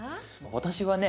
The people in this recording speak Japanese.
私はね